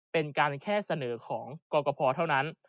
เป็นการแค่เสนอของกรกภเท่านั้น